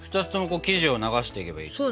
２つとも生地を流していけばいい？